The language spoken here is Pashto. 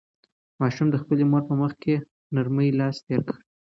ماشوم د خپلې مور په مخ په نرمۍ لاس تېر کړ.